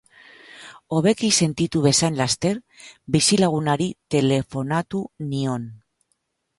Hobeki sentitu bezain laster, bizilagunari telefonatu nion.